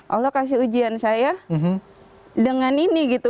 allah kasih ujian saya dengan ini gitu